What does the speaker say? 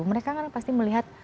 mereka pasti melihat